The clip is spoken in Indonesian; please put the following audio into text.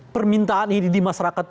permintaan ini di masyarakat